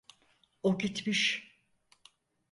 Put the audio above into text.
O gitmiş.